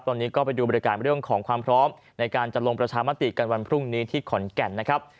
ตอนนี้ก็ไปดูบริการเรื่องของความพร้อมในการจะลงประชามติกันวันพรุ่งนี้ที่ขอนแก่นนะครับ